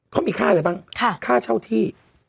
เขามีค่าอะไรบ้างค่าเช่าที่